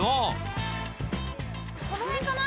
この辺かな。